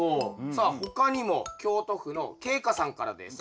さあ他にも京都府のけいかさんからです。